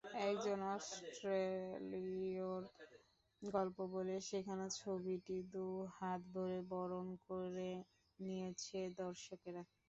একজন অস্ট্রেলীয়র গল্প বলে সেখানে ছবিটি দুহাত ভরে বরণ করে নিয়েছে দর্শকেরা।